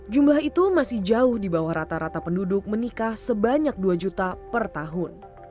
jumlah itu masih jauh di bawah rata rata penduduk menikah sebanyak dua juta per tahun